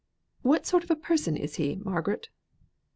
What sort of a person is he, Margaret?"